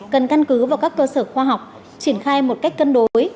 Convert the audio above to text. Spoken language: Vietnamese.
cần căn cứ vào các cơ sở khoa học triển khai một cách cân đối